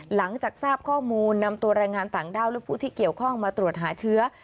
หลังจากทราบข้อมูลนำตัวแรงงานต่างด้าวและผู้ที่เกี่ยวข้องมาตรวจหาเชื้อ